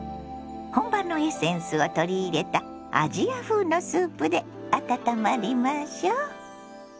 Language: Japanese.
本場のエッセンスを取り入れたアジア風のスープで温まりましょ。